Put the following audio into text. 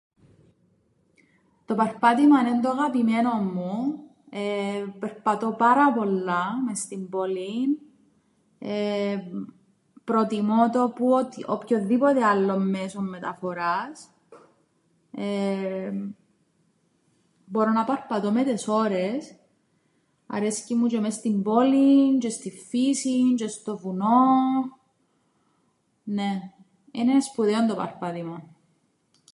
Το παρπάτημαν εν' το αγαπημένον μου. Περπατώ πάρα πολλά μες στην πολην, προτιμώ το που ό,τιδ- οποιονδήποτε άλλον μέσον μεταφοράς. Μπόρω να παρπατώ με τες ώρες, αρέσκει μου τζ̆αι μες στην πόλη, τζ̆αι στην φύσην τζ̆αι στο βουνόν. Νναι, είναι σπουδαίον το παρπάτημαν.